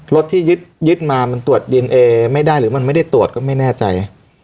รถที่ยึดมามันตรวจดีเอนเอไม่ได้หรือมันไม่ได้ตรวจก็ไม่แน่ใจ